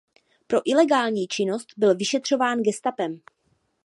Pro ilegální činnost byl vyšetřován gestapem.